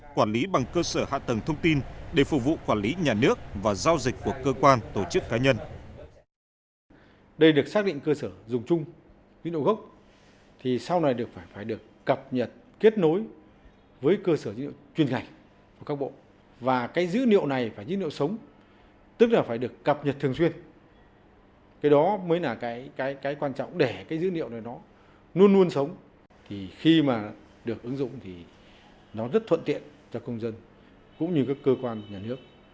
quản lý bằng cơ sở hạ tầng thông tin để phục vụ quản lý nhà nước và giao dịch của cơ quan tổ chức cá nhân